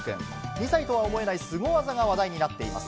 ２歳とは思えないスゴ技が話題になっています。